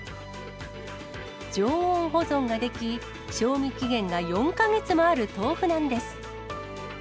常温保存ができ、賞味期限が４か月もある豆腐なんです。